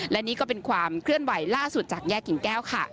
และนี่ก็เป็นความเคลื่อนไหวล่าสุดจากแยกกิ่งแก้วค่ะ